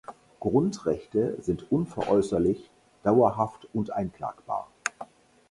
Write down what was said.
Grundrechte sind unveräußerlich, dauerhaft und einklagbar.